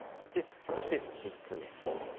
そして、３つ目。